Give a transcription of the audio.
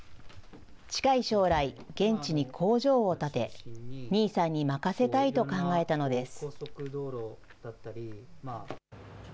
近い将来、現地に工場を建て、ニーさんに任せたいと考えたのです。